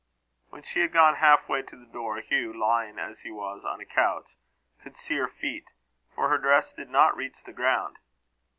When she had gone half way to the door, Hugh, lying as he was on a couch, could see her feet, for her dress did not reach the ground.